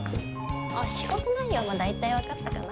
あっ仕事内容は大体分かったかな？